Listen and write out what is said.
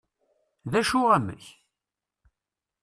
d acu amek?